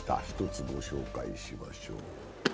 １つご紹介しましょう。